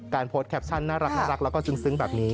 โพสต์แคปชั่นน่ารักแล้วก็ซึ้งแบบนี้